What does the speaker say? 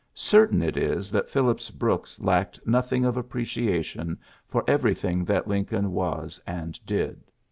Certain it is that Phillips Brooks lacked nothing of appreciation for everything that Lincoln was and did.